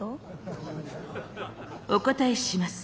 お答えします。